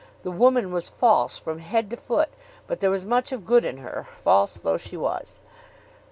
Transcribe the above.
The woman was false from head to foot, but there was much of good in her, false though she was.